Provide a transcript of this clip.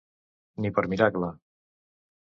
Ni per miracle.